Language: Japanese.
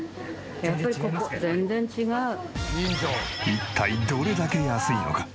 一体どれだけ安いのか？